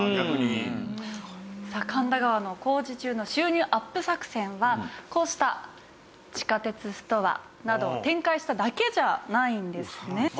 さあ神田川の工事中の収入アップ作戦はこうした地下鉄ストアなどを展開しただけじゃないんですね。